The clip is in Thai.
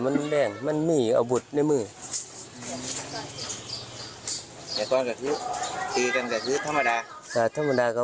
มันออกมา